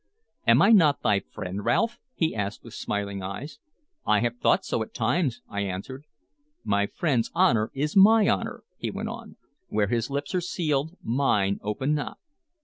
"Am I not thy friend, Ralph?" he asked with smiling eyes. "I have thought so at times," I answered. "My friend's honor is my honor," he went on. "Where his lips are sealed mine open not.